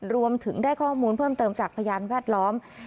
รวมถึงได้ข้อมูลเพิ่มเติมจากพยานแวดล้อม